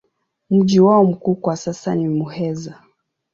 Mji wao mkuu kwa sasa ni Muheza.